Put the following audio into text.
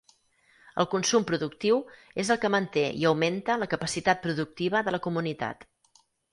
El consum productiu és el que manté i augmenta la capacitat productiva de la comunitat.